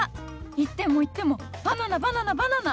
行っても行ってもバナナバナナバナナ！